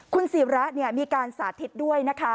คุณสีระมีการสาเหตุด้วยณ